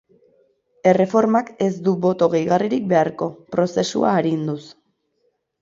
Erreformak ez du boto gehigarririk beharko, prozesua arinduz.